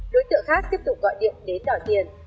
đối tượng khác tiếp tục gọi điện đến đòi tiền